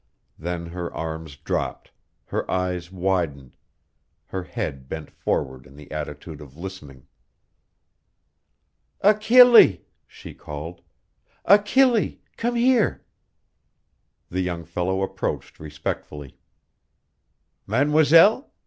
Then her arms dropped, her eyes widened, her head bent forward in the attitude of listening. "Achille!" she called, "Achille! Come here!" The young fellow approached respectfully. "Mademoiselle?"